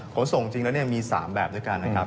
ขนส่งจริงแล้วมี๓แบบด้วยกันนะครับ